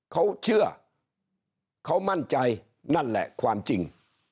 เขาเชื่อเขามั่นใจนั่นแหละความจริง